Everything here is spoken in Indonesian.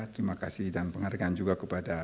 terima kasih dan penghargaan juga kepada